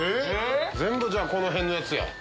全部じゃあこの辺のやつや。